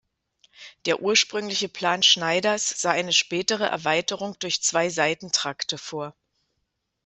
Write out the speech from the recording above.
Der ursprüngliche Plan Schneiders sah eine spätere Erweiterung durch zwei Seitentrakte vor.